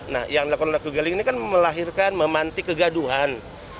nah yang lakukan rocky gerung ini kan melahirkan memanti kegaduhan